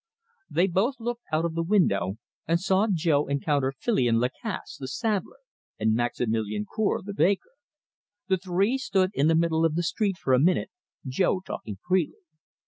They both looked out of the window, and saw Jo encounter Filion Lacasse the saddler, and Maximilian Cour the baker. The three stood in the middle of the street for a minute, Jo talking freely.